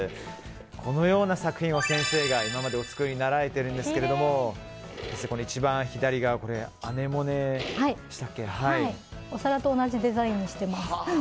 このような作品を先生が今までお作りになられてるんですがお皿と同じデザインにしてます。